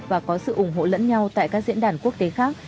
và có sự ủng hộ lẫn nhau tại các diễn đàn quốc tế khác